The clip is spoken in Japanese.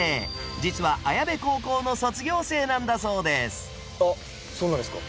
実は綾部高校の卒業生なんだそうですあっそうなんですか？